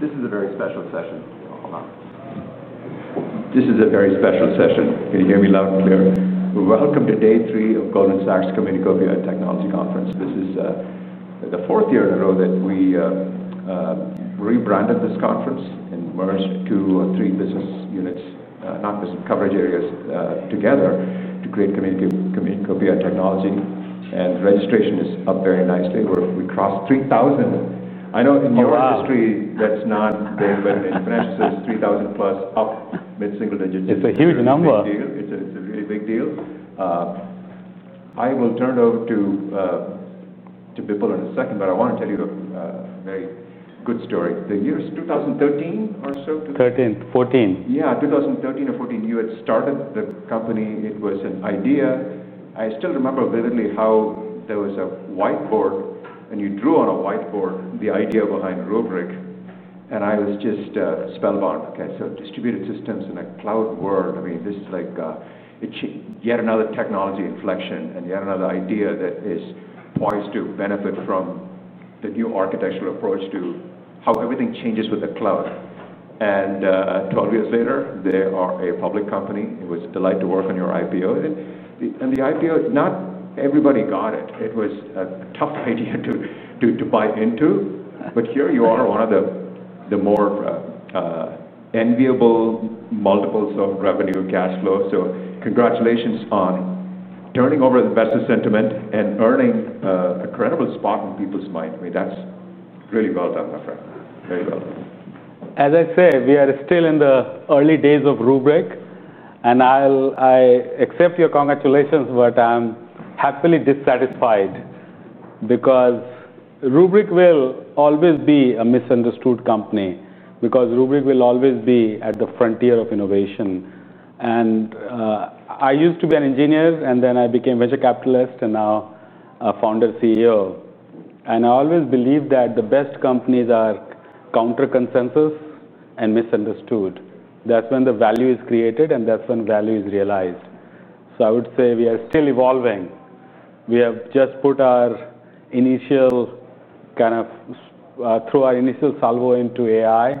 This is a very special session. This is a very special session. Can you hear me loud and clear? Welcome to day three of the Golden Star Community Copyright Technology Conference. This is the fourth year in a row that we rebranded this conference and merged two or three business units, not business coverage areas, together to create Community Copyright Technology. Registration is up very nicely. We crossed 3,000. I know in your industry that's not very bad in finance. It's 3,000+, up mid-single digits. It's a huge number. It's a very big deal. I will turn it over to Bipul in a second, but I want to tell you a very good story. The year is 2013 or so? 2013, 2014. Yeah, 2013 or 2014. You had started the company. It was an idea. I still remember vividly how there was a whiteboard, and you drew on a whiteboard the idea behind Rubrik. I was just spellbound. Distributed systems in a cloud world. This is yet another technology inflection and yet another idea that is poised to benefit from the new architectural approach to how everything changes with the cloud. Twelve years later, they are a public company. It was a delight to work on your IPO. The IPO, not everybody got it. It was a tough idea to buy into. Here you are, one of the more enviable multiples of revenue cash flow. Congratulations on turning over the best of sentiment and earning a credible spot in people's minds. That's really well done, my friend. Very well done. As I say, we are still in the early days of Rubrik. I accept your congratulations, but I'm happily dissatisfied because Rubrik will always be a misunderstood company because Rubrik will always be at the frontier of innovation. I used to be an engineer, then I became a venture capitalist and now a founder CEO. I always believe that the best companies are counterconsensus and misunderstood. That's when the value is created, and that's when value is realized. I would say we are still evolving. We have just put our initial kind of throw our initial salvo into AI.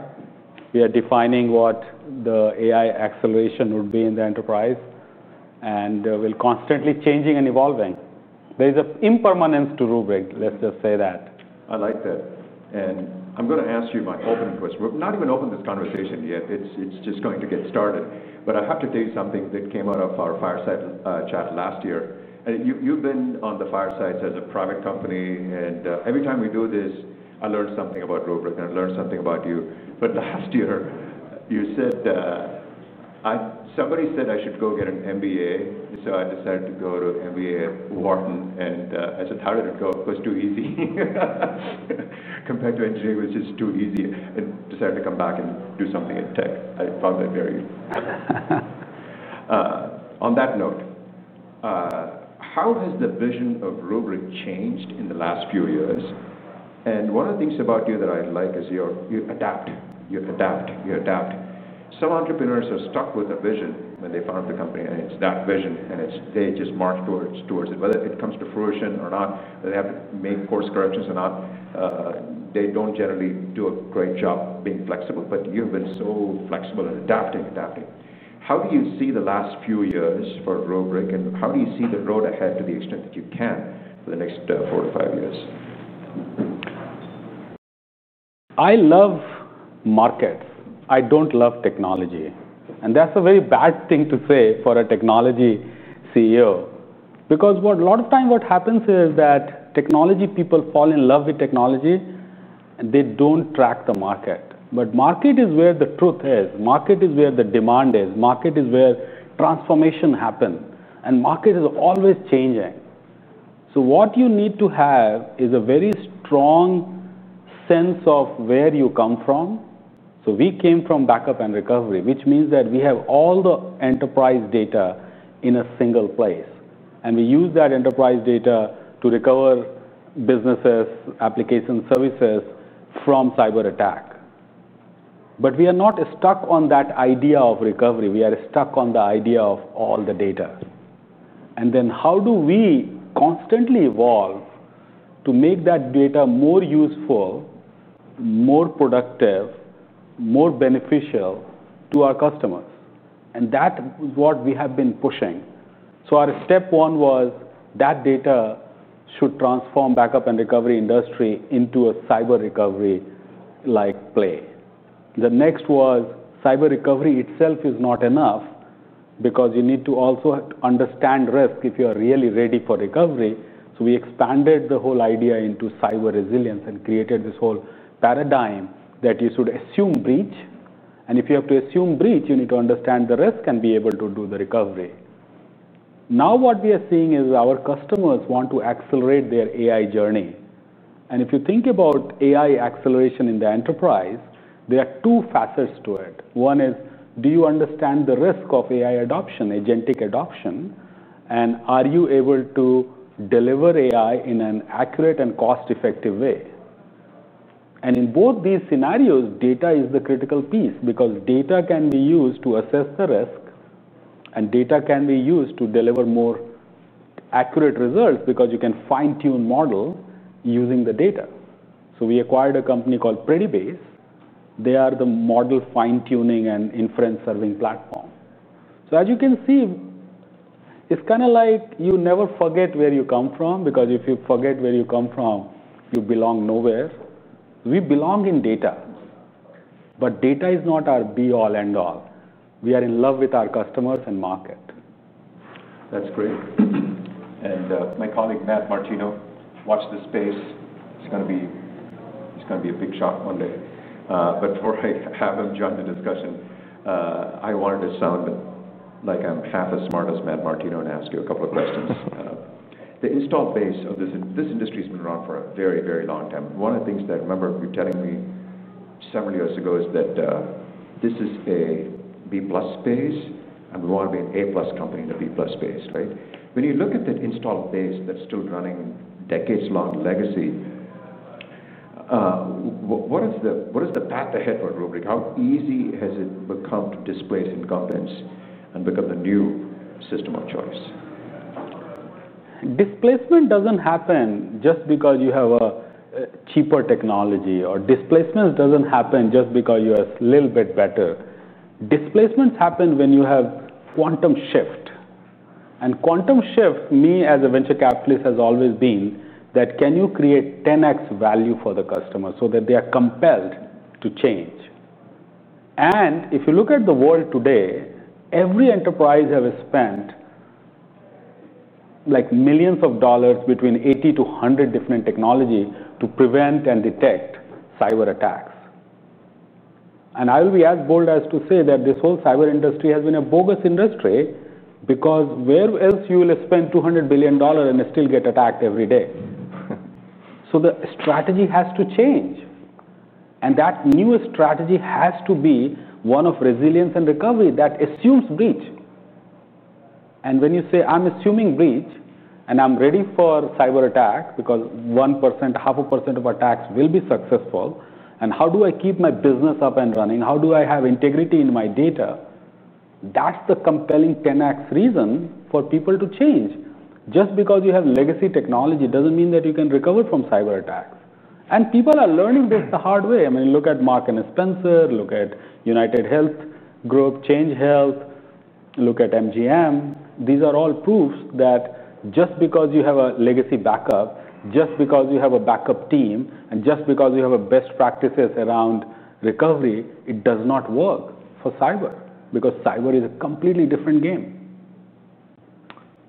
We are defining what the AI acceleration would be in the enterprise. We're constantly changing and evolving. There is an impermanence to Rubrik, let's just say that. I like that. I'm going to ask you my open question. We're not even opening this conversation yet. It's just going to get started. I have to tell you something that came out of our fireside chat last year. You've been on the firesides as a product company. Every time we do this, I learn something about Rubrik and I learn something about you. Last year, you said somebody said I should go get an MBA. I decided to go to MBA Wharton. As a targeted goal, it was too easy compared to engineering, which is too easy. I decided to come back and do something in tech. I found that very on that note. How has the vision of Rubrik changed in the last few years? One of the things about you that I like is you adapt. You adapt. You adapt. Some entrepreneurs are stuck with a vision when they found the company. It's that vision. They just march towards it, whether it comes to fruition or not, whether they have to make course corrections or not. They don't generally do a great job being flexible. You have been so flexible and adapting, adapting. How do you see the last few years for Rubrik? How do you see the road ahead to the extent that you can for the next four to five years? I love markets. I don't love technology. That's a very bad thing to say for a technology CEO. A lot of times what happens is that technology people fall in love with technology, and they don't track the market. Market is where the truth is. Market is where the demand is. Market is where transformation happens. Market is always changing. You need to have a very strong sense of where you come from. We came from backup and recovery, which means that we have all the enterprise data in a single place. We use that enterprise data to recover businesses, applications, services from cyber attack. We are not stuck on that idea of recovery. We are stuck on the idea of all the data. Then how do we constantly evolve to make that data more useful, more productive, more beneficial to our customers? That is what we have been pushing. Our step one was that data should transform backup and recovery industry into a cyber recovery-like play. Next was cyber recovery itself is not enough because you need to also understand risk if you are really ready for recovery. We expanded the whole idea into cyber resilience and created this whole paradigm that you should assume breach. If you have to assume breach, you need to understand the risk and be able to do the recovery. Now what we are seeing is our customers want to accelerate their AI journey. If you think about AI acceleration in the enterprise, there are two facets to it. One is, do you understand the risk of AI adoption, agentic adoption? Are you able to deliver AI in an accurate and cost-effective way? In both these scenarios, data is the critical piece because data can be used to assess the risk. Data can be used to deliver more accurate results because you can fine-tune models using the data. We acquired a company called Predibase. They are the model fine-tuning and inference serving platform. As you can see, it's kind of like you never forget where you come from because if you forget where you come from, you belong nowhere. We belong in data. Data is not our be-all end-all. We are in love with our customers and market. That's great. My colleague Matt Martino watched this space. It's going to be a big shot one day. Before I have him join the discussion, I wanted to sound like I'm half as smart as Matt Martino and ask you a couple of questions. The install phase of this industry has been around for a very, very long time. One of the things that I remember you telling me several years ago is that this is a B+ space. We want to be an A+ company in a B+ space, right? When you look at that install phase that's still running decades-long legacy, what is the path ahead for Rubrik? How easy has it become displaced in governance and become the new system of choice? Displacement doesn't happen just because you have a cheaper technology, or displacement doesn't happen just because you are a little bit better. Displacements happen when you have quantum shift. Quantum shift, me as a venture capitalist, has always been that can you create 10x value for the customer so that they are compelled to change? If you look at the world today, every enterprise has spent like $X million between 80 to 100 different technologies to prevent and detect cyber attacks. I'll be as bold as to say that this whole cyber industry has been a bogus industry because where else will you spend $200 billion and still get attacked every day? The strategy has to change. That new strategy has to be one of resilience and recovery that assumes breach. When you say I'm assuming breach and I'm ready for cyber attack because 1%, half a % of attacks will be successful, how do I keep my business up and running? How do I have integrity in my data? That's the compelling 10x reason for people to change. Just because you have legacy technology doesn't mean that you can recover from cyber attacks. People are learning this the hard way. I mean, look at Marks & Spencer. Look at UnitedHealth Group, Change Health. Look at MGM. These are all proofs that just because you have a legacy backup, just because you have a backup team, and just because you have best practices around recovery, it does not work for cyber because cyber is a completely different game.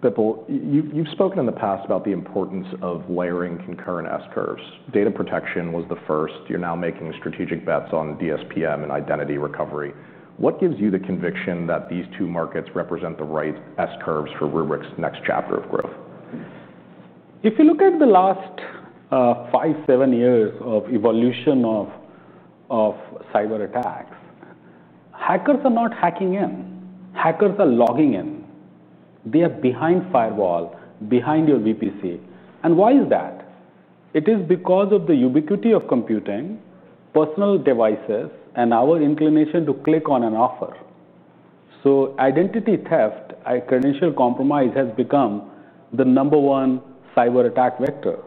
Bipul, you've spoken in the past about the importance of layering concurrent S-curves. Data protection was the first. You're now making strategic bets on DSPM and identity recovery. What gives you the conviction that these two markets represent the right S-curves for Rubrik's next chapter of growth? If you look at the last five, seven years of evolution of cyber attacks, hackers are not hacking in. Hackers are logging in. They are behind firewalls, behind your VPC. Why is that? It is because of the ubiquity of computing, personal devices, and our inclination to click on an offer. Identity theft, a credential compromise, has become the number one cyber attack vector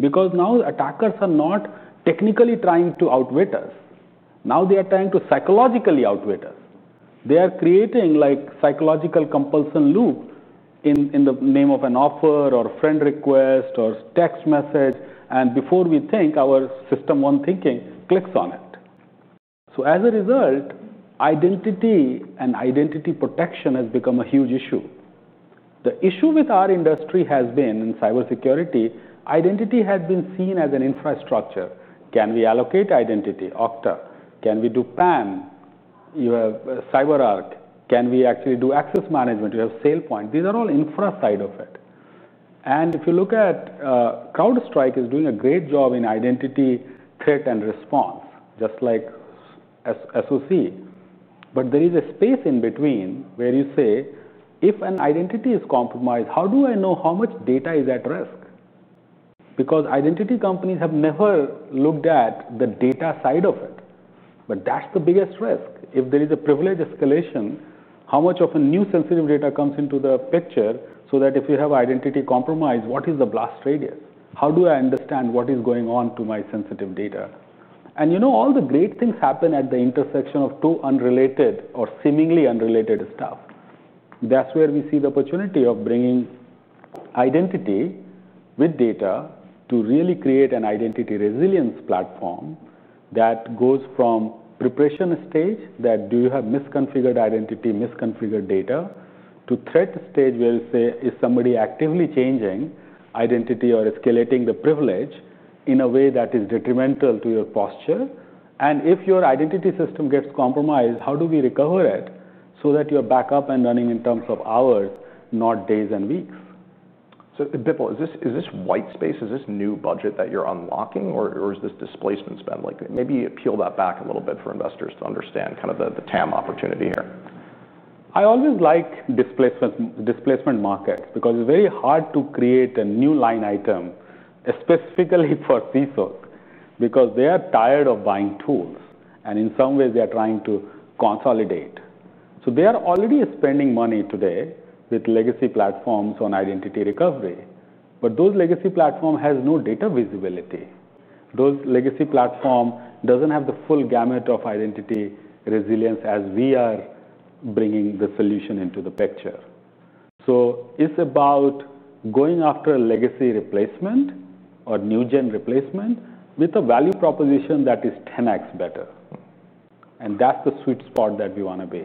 because now attackers are not technically trying to outwit us. Now they are trying to psychologically outwit us. They are creating psychological compulsion loops in the name of an offer or a friend request or text message. Before we think, our system one thinking clicks on it. As a result, identity and identity protection has become a huge issue. The issue with our industry has been in cybersecurity, identity had been seen as an infrastructure. Can we allocate identity, Okta? Can we do PAM? You have CyberArk. Can we actually do access management? You have SailPoint. These are all infra side of it. If you look at CrowdStrike, it's doing a great job in identity threat and response, just like SOC. There is a space in between where you say, if an identity is compromised, how do I know how much data is at risk? Identity companies have never looked at the data side of it. That's the biggest risk. If there is a privilege escalation, how much of a new sensitive data comes into the picture so that if you have identity compromise, what is the blast radius? How do I understand what is going on to my sensitive data? All the great things happen at the intersection of two unrelated or seemingly unrelated stuff. That's where we see the opportunity of bringing identity with data to really create an identity resilience platform that goes from preparation stage, that do you have misconfigured identity, misconfigured data, to threat stage where you say, is somebody actively changing identity or escalating the privilege in a way that is detrimental to your posture? If your identity system gets compromised, how do we recover it so that you are back up and running in terms of hours, not days and weeks? Bipul, is this white space? Is this new budget that you're unlocking, or is this displacement spend? Maybe peel that back a little bit for investors to understand kind of the TAM opportunity here. I always like the displacement market because it's very hard to create a new line item specifically for CSOC because they are tired of buying tools. In some ways, they are trying to consolidate. They are already spending money today with legacy platforms on identity recovery, but those legacy platforms have no data visibility. Those legacy platforms don't have the full gamut of identity resilience as we are bringing the solution into the picture. It's about going after a legacy replacement or new gen replacement with a value proposition that is 10x better. That's the sweet spot that we want to be.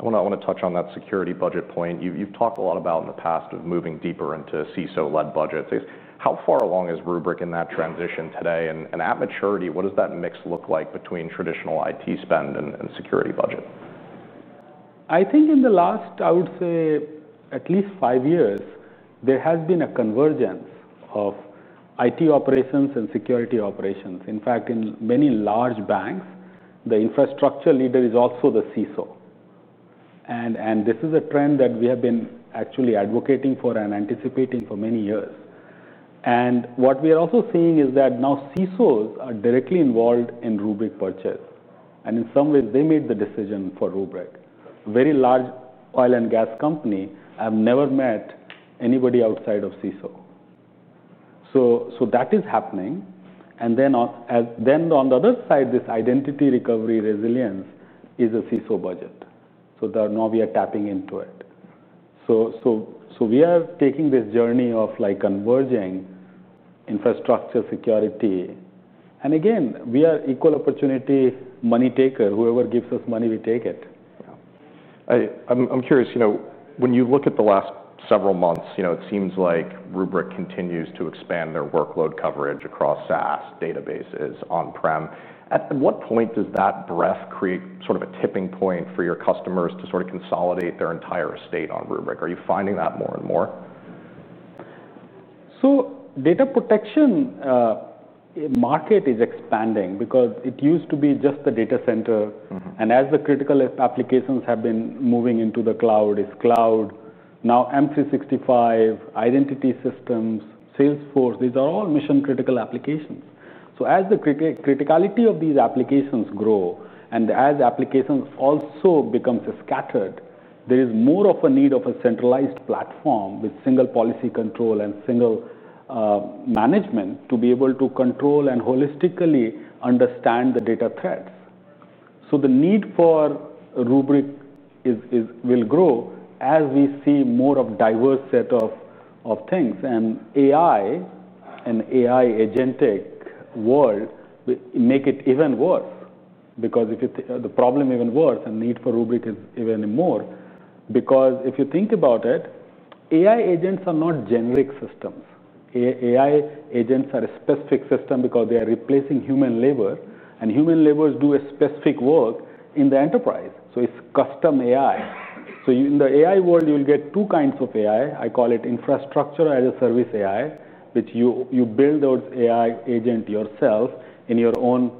I want to touch on that security budget point. You've talked a lot about in the past of moving deeper into CSO-led budgets. How far along is Rubrik in that transition today? At maturity, what does that mix look like between traditional IT spend and security budget? I think in the last, I would say, at least five years, there has been a convergence of IT operations and security operations. In fact, in many large banks, the infrastructure leader is also the CSO. This is a trend that we have been actually advocating for and anticipating for many years. What we are also seeing is that now CSOs are directly involved in Rubrik purchase. In some way, they made the decision for Rubrik. Very large oil and gas companies have never met anybody outside of CSO. That is happening. On the other side, this identity recovery resilience is a CSO budget. Now we are tapping into it. We are taking this journey of converging infrastructure security. We are equal opportunity money takers. Whoever gives us money, we take it. I'm curious, you know, when you look at the last several months, it seems like Rubrik continues to expand their workload coverage across SaaS databases on-prem. At what point does that breadth create sort of a tipping point for your customers to sort of consolidate their entire estate on Rubrik? Are you finding that more and more? The data protection market is expanding because it used to be just the data center. As the critical applications have been moving into the cloud, it's cloud. Now M365, identity systems, Salesforce, these are all mission-critical applications. As the criticality of these applications grows and as applications also become scattered, there is more of a need for a centralized platform with single policy control and single management to be able to control and holistically understand the data threats. The need for Rubrik will grow as we see more of a diverse set of things. AI and AI agentic world make it even worse because if the problem is even worse, the need for Rubrik is even more. If you think about it, AI agents are not generic systems. AI agents are a specific system because they are replacing human labor. Human laborers do a specific work in the enterprise. It's custom AI. In the AI world, you'll get two kinds of AI. I call it infrastructure as a service AI, which you build those AI agents yourself in your own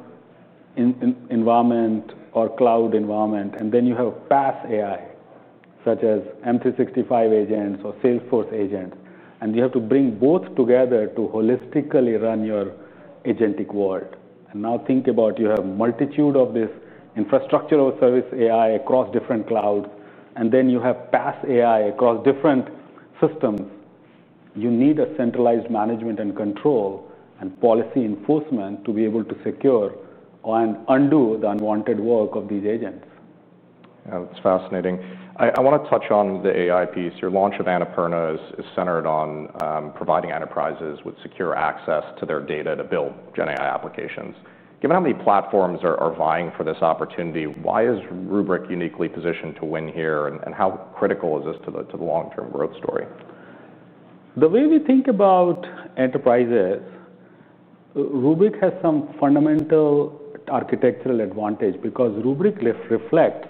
environment or cloud environment. Then you have a PaaS AI, such as M365 agents or Salesforce agents. You have to bring both together to holistically run your agentic world. Now think about it. You have a multitude of this infrastructure as a service AI across different clouds. Then you have PaaS AI across different systems. You need a centralized management and control and policy enforcement to be able to secure and undo the unwanted work of these agents. It's fascinating. I want to touch on the AI piece. Your launch of Annapurna is centered on providing enterprises with secure access to their data to build GenAI applications. Given how many platforms are vying for this opportunity, why is Rubrik uniquely positioned to win here? How critical is this to the long-term growth story? The way we think about enterprises, Rubrik has some fundamental architectural advantage because Rubrik reflects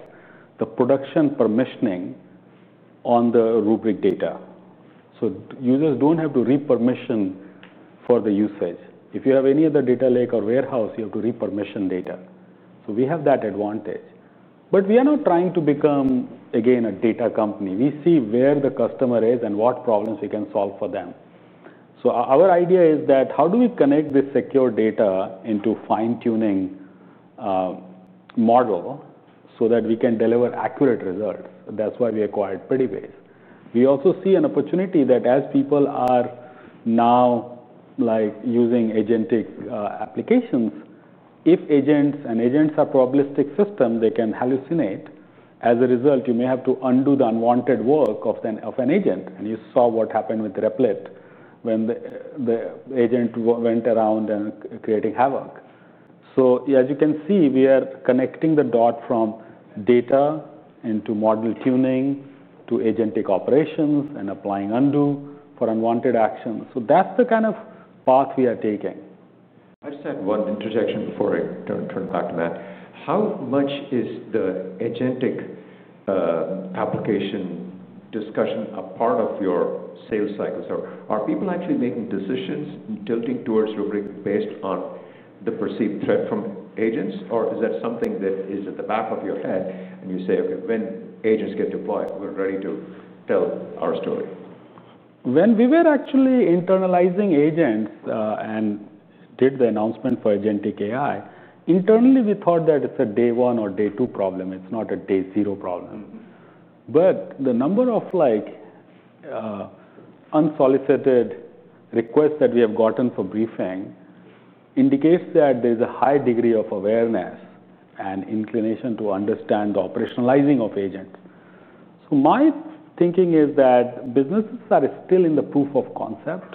the production permissioning on the Rubrik data. Users don't have to repermission for the usage. If you have any other data lake or warehouse, you have to repermission data. We have that advantage. We are not trying to become, again, a data company. We see where the customer is and what problems we can solve for them. Our idea is that how do we connect this secure data into a fine-tuning model so that we can deliver accurate results? That's why we acquired Predibase. We also see an opportunity that as people are now using agentic applications, if agents and agents are probabilistic systems, they can hallucinate. As a result, you may have to undo the unwanted work of an agent. You saw what happened with Replit when the agent went around and created havoc. As you can see, we are connecting the dot from data into model tuning to agentic operations and applying undo for unwanted actions. That's the kind of path we are taking. I just had one interjection before I turned it back to Matt. How much is the agentic application discussion a part of your sales cycle? Are people actually making decisions and tilting towards Rubrik based on the perceived threat from agents, or is that something that is at the back of your head and you say, OK, when agents get deployed, we're ready to tell our story? When we were actually internalizing agents and did the announcement for agentic AI, internally, we thought that it's a day one or day two problem. It's not a day zero problem. The number of unsolicited requests that we have gotten for briefing indicates that there is a high degree of awareness and inclination to understand the operationalizing of agents. My thinking is that businesses are still in the proof of concept.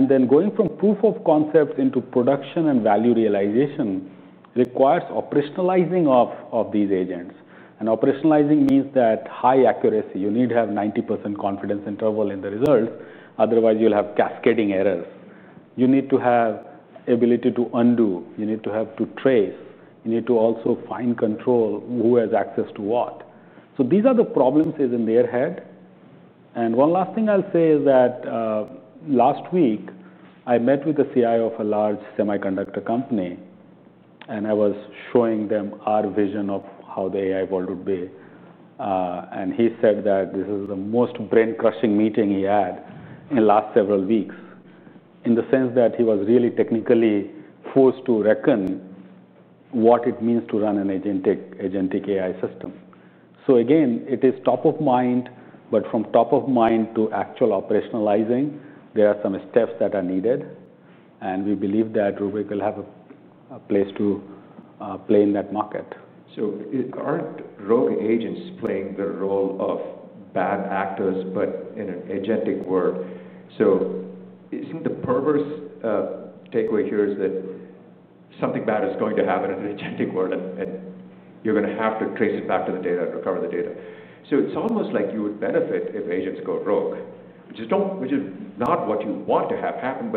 Then going from proof of concept into production and value realization requires operationalizing of these agents. Operationalizing means that high accuracy. You need to have 90% confidence interval in the results. Otherwise, you'll have cascading errors. You need to have the ability to undo. You need to have to trace. You need to also find control who has access to what. These are the problems in their head. One last thing I'll say is that last week, I met with the CIO of a large semiconductor company. I was showing them our vision of how the AI world would be, and he said that this is the most brain-crushing meeting he had in the last several weeks in the sense that he was really technically forced to reckon what it means to run an agentic AI system. It is top of mind. From top of mind to actual operationalizing, there are some steps that are needed. We believe that Rubrik will have a place to play in that market. Aren't rogue agents playing the role of bad actors, but in an agentic world? Isn't the perverse takeaway here that something bad is going to happen in an agentic world, and you're going to have to trace it back to the data and recover the data? It's almost like you would benefit if agents go rogue, which is not what you want to have happen.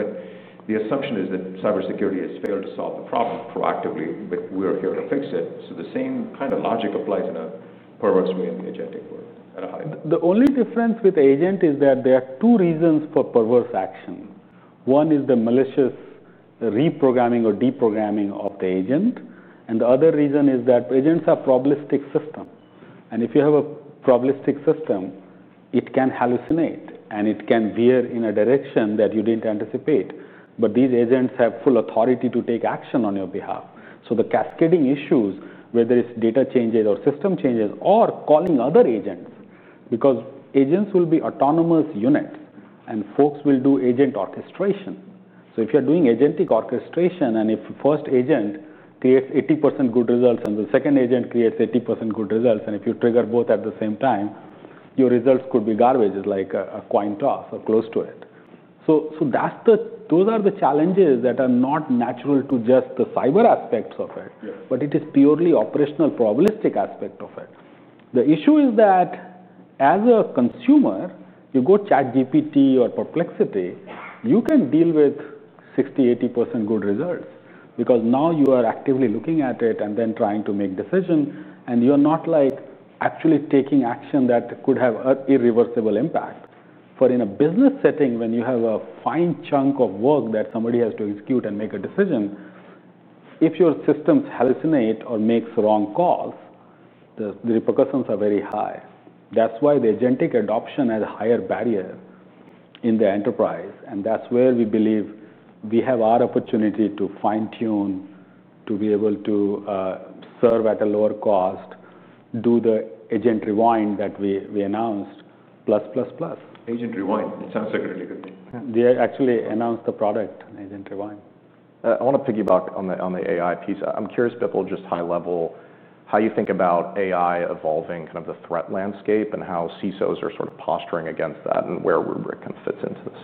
The assumption is that cybersecurity has failed to solve the problem proactively. We're here to fix it. The same kind of logic applies in a perverse way in the agentic world. The only difference with the agent is that there are two reasons for perverse action. One is the malicious reprogramming or deprogramming of the agent. The other reason is that agents are a probabilistic system. If you have a probabilistic system, it can hallucinate, and it can veer in a direction that you didn't anticipate. These agents have full authority to take action on your behalf. The cascading issues, whether it's data changes or system changes or calling other agents, happen because agents will be autonomous units, and folks will do agent orchestration. If you're doing agentic orchestration, and if the first agent creates 80% good results, and the second agent creates 80% good results, and if you trigger both at the same time, your results could be garbage, like a coin toss or close to it. Those are the challenges that are not natural to just the cyber aspects of it. It is purely operational probabilistic aspects of it. The issue is that as a consumer, you go to ChatGPT or Perplexity, you can deal with 60%, 80% good results because now you are actively looking at it and then trying to make decisions. You're not actually taking action that could have an irreversible impact. In a business setting, when you have a fine chunk of work that somebody has to execute and make a decision, if your systems hallucinate or make wrong calls, the repercussions are very high. That's why the agentic adoption has a higher barrier in the enterprise. That's where we believe we have our opportunity to fine-tune, to be able to serve at a lower cost, do the Agent Rewind that we announced, plus, plus, plus. Agent Rewind. It sounds like a really good name. They actually announced the product, Agent Rewind. I want to piggyback on the AI piece. I'm curious, Bipul, just high level, how you think about AI evolving kind of the threat landscape and how CSOs are sort of posturing against that and where Rubrik kind of fits into this.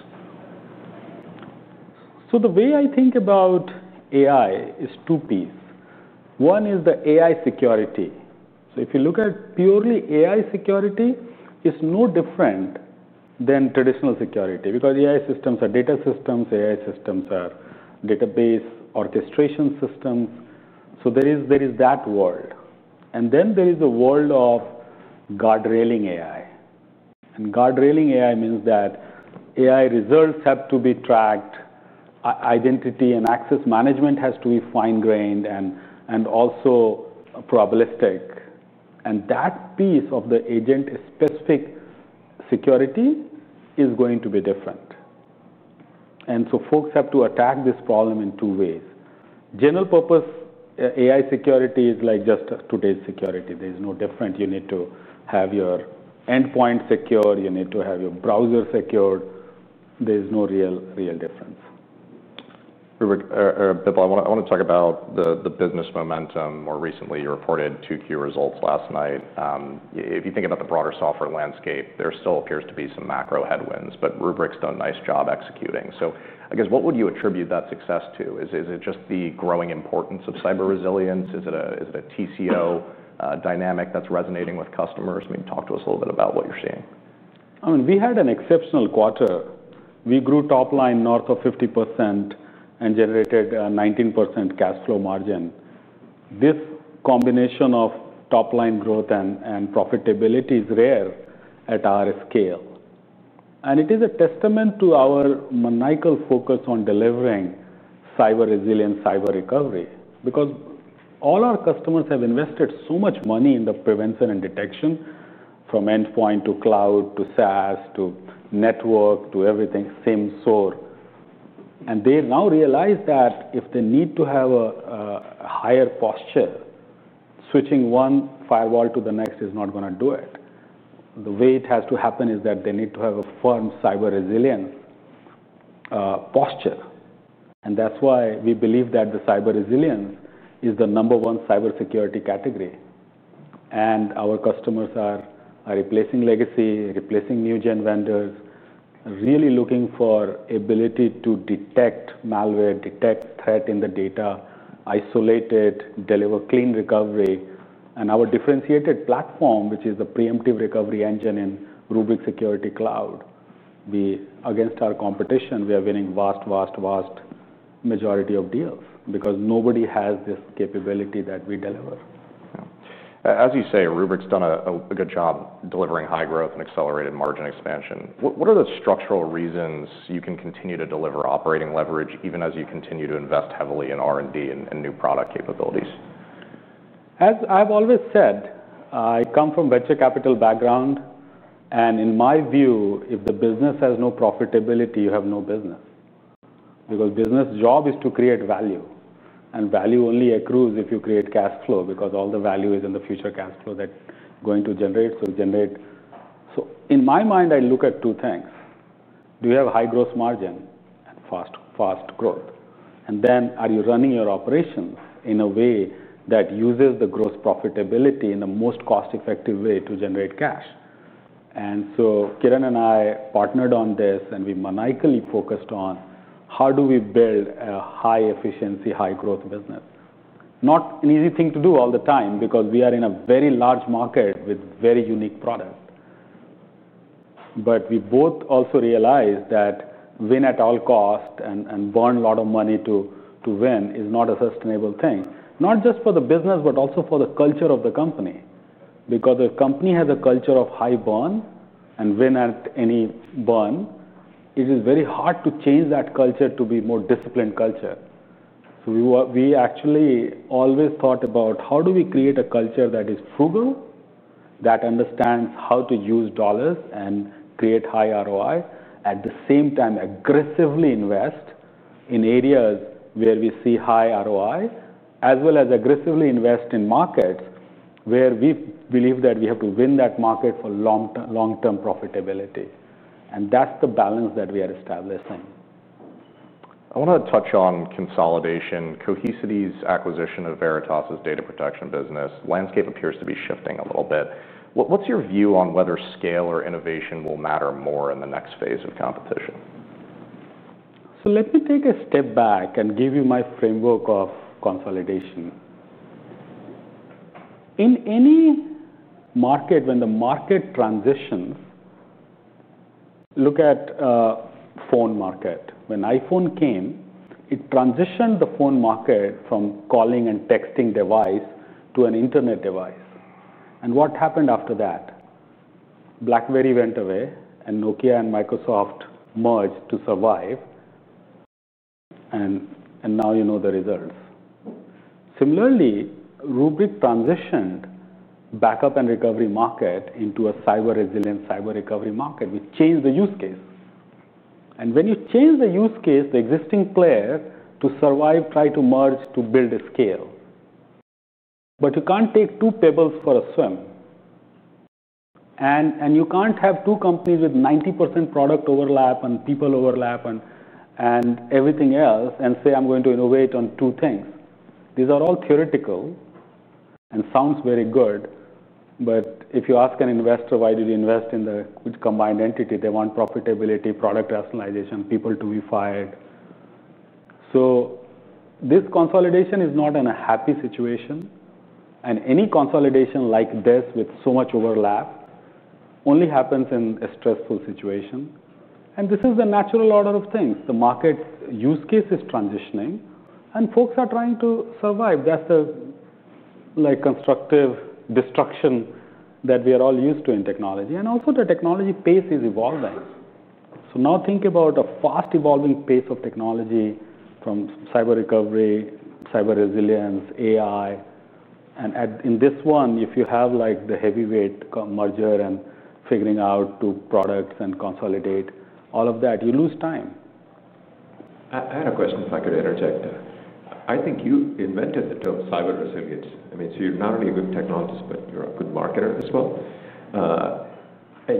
The way I think about AI is two pieces. One is the AI security. If you look at purely AI security, it's no different than traditional security because AI systems are data systems. AI systems are database orchestration systems. There is that world. There is a world of guardrailing AI. Guardrailing AI means that AI results have to be tracked. Identity and access management has to be fine-grained and also probabilistic. That piece of the agent-specific security is going to be different. Folks have to attack this problem in two ways. General purpose AI security is like just today's security. There is no different. You need to have your endpoint secure. You need to have your browser secured. There is no real difference. Bipul, I want to talk about the business momentum. More recently, you reported 2Q results last night. If you think about the broader software landscape, there still appears to be some macro headwinds. Rubrik's done a nice job executing. What would you attribute that success to? Is it just the growing importance of cyber resilience? Is it a TCO dynamic that's resonating with customers? Talk to us a little bit about what you're seeing. I mean, we had an exceptional quarter. We grew top line north of 50% and generated 19% cash flow margin. This combination of top-line growth and profitability is rare at our scale. It is a testament to our maniacal focus on delivering cyber resilience, cyber recovery because all our customers have invested so much money in the prevention and detection from endpoint to cloud to SaaS to network to everything, SIEM, SOAR. They now realize that if they need to have a higher posture, switching one firewall to the next is not going to do it. The way it has to happen is that they need to have a firm cyber resilience posture. That's why we believe that the cyber resilience is the number one cybersecurity category. Our customers are replacing legacy, replacing new gen vendors, really looking for the ability to detect malware, detect threat in the data, isolate it, deliver clean recovery. Our differentiated platform, which is the preemptive recovery engine in Rubrik Security Cloud, against our competition, we are winning a vast, vast, vast majority of deals because nobody has this capability that we deliver. As you say, Rubrik's done a good job delivering high growth and accelerated margin expansion. What are the structural reasons you can continue to deliver operating leverage even as you continue to invest heavily in R&D and new product capabilities? As I've always said, I come from a venture capital background. In my view, if the business has no profitability, you have no business because the business job is to create value. Value only accrues if you create cash flow because all the value is in the future cash flow that's going to generate. In my mind, I look at two things. Do you have high gross margin and fast growth? Are you running your operations in a way that uses the gross profitability in the most cost-effective way to generate cash? Kiran and I partnered on this, and we maniacally focused on how do we build a high efficiency, high growth business. Not an easy thing to do all the time because we are in a very large market with a very unique product. We both also realized that win at all costs and burn a lot of money to win is not a sustainable thing, not just for the business, but also for the culture of the company. If the company has a culture of high burn and win at any burn, it is very hard to change that culture to be a more disciplined culture. We actually always thought about how do we create a culture that is frugal, that understands how to use dollars and create high ROI, at the same time aggressively invest in areas where we see high ROI, as well as aggressively invest in markets where we believe that we have to win that market for long-term profitability. That's the balance that we are establishing. I want to touch on consolidation. Cohesity's acquisition of Veritas’s data protection business landscape appears to be shifting a little bit. What's your view on whether scale or innovation will matter more in the next phase of competition? Let me take a step back and give you my framework of consolidation. In any market, when the market transitions, look at the phone market. When iPhone came, it transitioned the phone market from calling and texting device to an internet device. What happened after that? BlackBerry went away, and Nokia and Microsoft merged to survive. Now you know the results. Similarly, Rubrik transitioned the backup and recovery market into a cyber resilience, cyber recovery market. We changed the use case. When you change the use case, the existing player to survive tried to merge to build a scale. You can't take two pebbles for a swim. You can't have two companies with 90% product overlap and people overlap and everything else and say, I'm going to innovate on two things. These are all theoretical and sound very good. If you ask an investor, why did you invest in the combined entity? They want profitability, product rationalization, people to be fired. This consolidation is not in a happy situation. Any consolidation like this with so much overlap only happens in a stressful situation. This is the natural order of things. The market use case is transitioning. Folks are trying to survive. That's the constructive destruction that we are all used to in technology. Also, the technology pace is evolving. Now think about a fast evolving pace of technology from cyber recovery, cyber resilience, AI. In this one, if you have the heavyweight merger and figuring out two products and consolidate all of that, you lose time. I had a question, if I could interject. I think you invented the term cyber resilience. I mean, you're not only a good technologist, but you're a good marketer as well.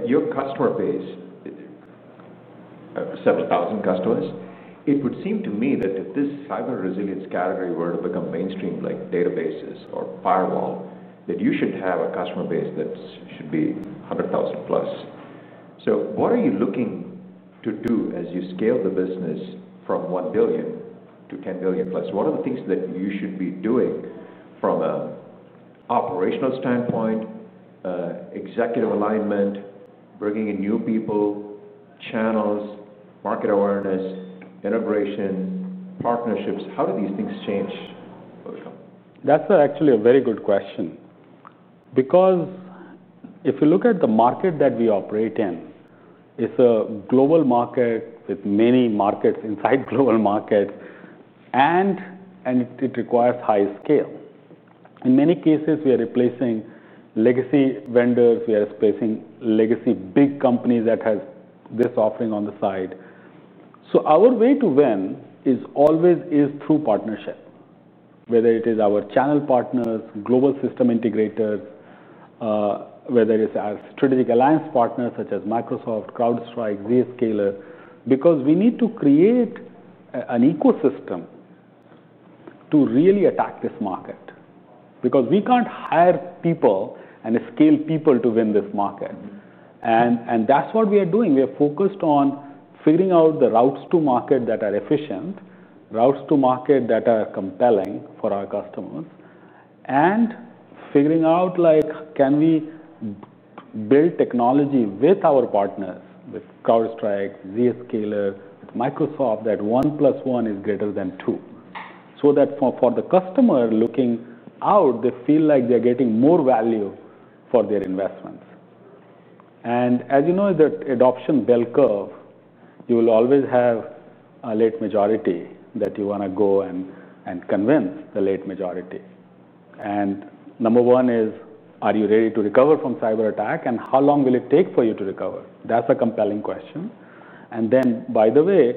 Your customer base is several thousand customers. It would seem to me that if this cyber resilience category were to become mainstream, like databases or firewall, you should have a customer base that should be 100,000+. What are you looking to do as you scale the business from $1 billion-$10+ billion? What are the things that you should be doing from an operational standpoint, executive alignment, bringing in new people, channels, market awareness, integration, partnerships? How do these things change? That's actually a very good question because if you look at the market that we operate in, it's a global market with many markets inside the global market. It requires high scale. In many cases, we are replacing legacy vendors. We are replacing legacy big companies that have this offering on the side. Our way to win always is through partnership, whether it is our channel partners, global system integrators, or our strategic alliance partners such as Microsoft, CrowdStrike, Zscaler, because we need to create an ecosystem to really attack this market. We can't hire people and scale people to win this market. That's what we are doing. We are focused on figuring out the routes to market that are efficient, routes to market that are compelling for our customers, and figuring out, like, can we build technology with our partners, with CrowdStrike, Zscaler, Microsoft, that one plus one is greater than two, so that for the customer looking out, they feel like they're getting more value for their investments. As you know, the adoption bell curve, you will always have a late majority that you want to go and convince the late majority. Number one is, are you ready to recover from cyber attack? How long will it take for you to recover? That's a compelling question. By the way,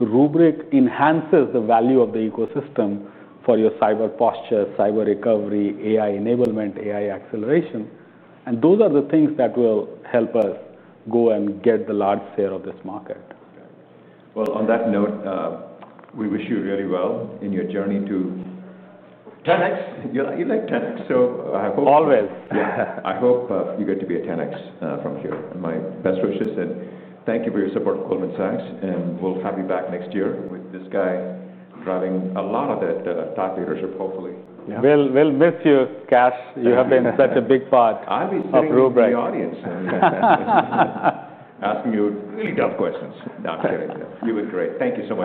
Rubrik enhances the value of the ecosystem for your cyber posture, cyber recovery, AI enablement, AI acceleration. Those are the things that will help us go and get the large share of this market. On that note, we wish you really well in your journey to 10x. You like 10x, so I hope. Always. Yeah, I hope you get to be a 10x from here. My best wishes. Thank you for your support of Goldman Sachs. We'll have you back next year with this guy driving a lot of that thought leadership, hopefully. We'll miss you, Kash. You have been such a big part of Rubrik. I'll be sitting in the audience asking you really tough questions. That was great. You've been great. Thank you, sir.